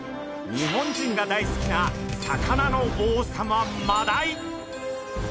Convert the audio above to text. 日本人が大好きな魚の王様マダイ。